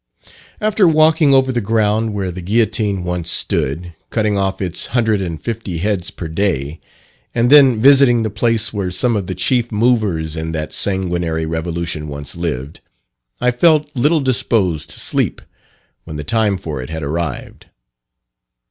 After walking over the ground where the guillotine once stood, cutting off its hundred and fifty heads per day, and then visiting the place where some of the chief movers in that sanguinary revolution once lived, I felt little disposed to sleep, when the time for it had arrived.